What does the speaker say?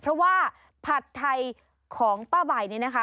เพราะว่าผัดไทยของป้าใบนี้นะคะ